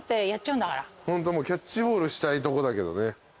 ホントはキャッチボールしたいとこだけどね。